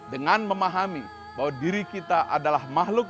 dengan memahami bahwa diri kita adalah makhluk